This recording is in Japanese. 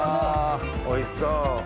おいしそう。